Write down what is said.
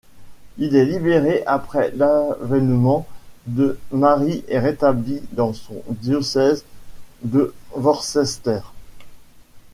Il est libéré après l'avènement de Marie et rétabli dans son diocèse de Worcester.